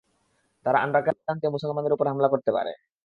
তারা আন্ডারগ্রাউন্ড দিয়ে মুসলমানদের উপর হামলা করতে পারে।